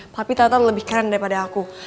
papi tau tau lebih keren daripada aku